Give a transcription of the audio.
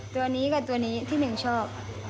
ตัวนี้กับตัวนี้ที่หนึ่งชอบ